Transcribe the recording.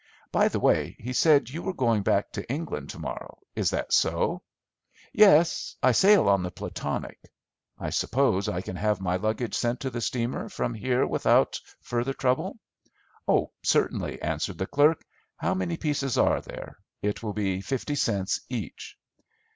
By the way, he said you were going back to England to morrow. Is that so?" "Yes, I sail on the Platonic. I suppose I can have my luggage sent to the steamer from here without further trouble?" "Oh, certainly," answered the clerk; "how many pieces are there? It will be fifty cents each."